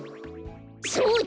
そうだ！